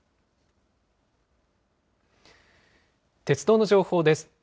鉄道の情報です。